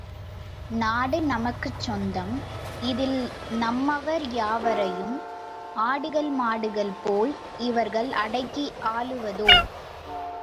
நாடு நமக்குச் சொந்தம் இதில் நம்மவர் யாவரையும் ஆடுகள் மாடுகள்போல் இவர்கள் அடக்கி ஆளுவதோ?